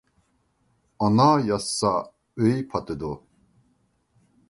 ئانا ياتسا ، ئۆي پاتىدۇ.